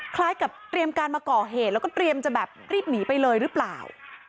คล้ายกับเตรียมการมาก่อเหตุแล้วก็เตรียมจะแบบรีบหนีไปเลยหรือเปล่า